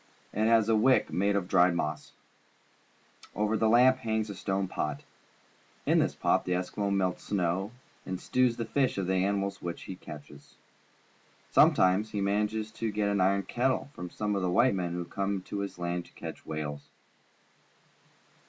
It has a wick made of dried moss. Over the lamp hangs a stone pot. In this pot the Eskimo melts snow and stews the flesh of the animals which he catches. Sometimes he manages to get an iron kettle from some of the white men who come to his land to catch whales.